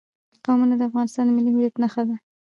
قومونه د افغانستان د ملي هویت نښه ده.